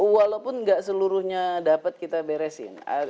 walaupun nggak seluruhnya dapat kita beresin